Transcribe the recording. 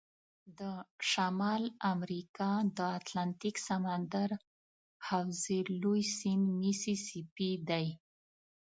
د شمال امریکا د اتلانتیک سمندر حوزې لوی سیند میسی سی پي دی.